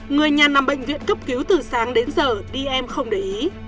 người nhà nằm bệnh viện cấp cứu từ sáng đến giờ đi em không để ý